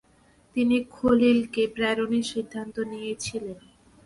তিনি খলিলকে প্রেরণের সিদ্ধান্ত নিয়েছিলেন।